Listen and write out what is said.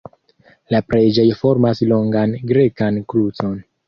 La preĝejo formas longan grekan krucon.